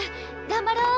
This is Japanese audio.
頑張ろう。